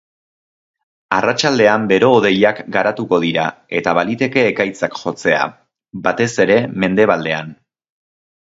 Arratsaldean bero-hodeiak garatuko dira eta baliteke ekaitzak jotzea, batez ere mendebaldean.